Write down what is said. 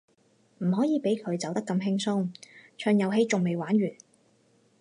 唔可以畀佢走得咁輕鬆，場遊戲仲未玩完